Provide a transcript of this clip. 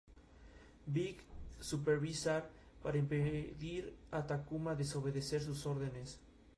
Big supervisar para impedir a Takuma desobedecer sus órdenes.